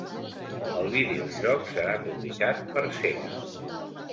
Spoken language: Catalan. El videojoc serà publicat per Sega.